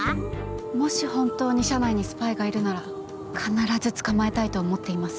もし本当に社内にスパイがいるなら必ず捕まえたいと思っています。